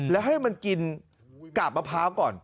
แล้วให้มันกินกาบมะพร้าวก่อน